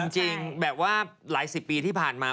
จริงแบบว่าหลายสิบปีที่ผ่านมา